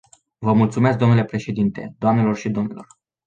Vă mulțumesc dle președinte, doamnelor și domnilor.